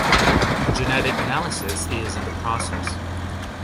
Genetic analysis is in process.